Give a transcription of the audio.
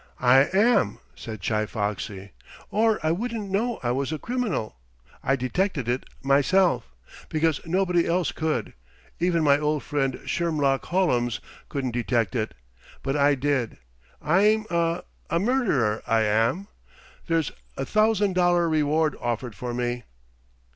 "I am," said Chi Foxy. "Or I wouldn't know I was a criminal. I detected it myself, because nobody else could. Even my old friend Shermlock Hollums couldn't detect it, but I did. I'm a a murderer, I am. There's a thousand dollar reward offered for me."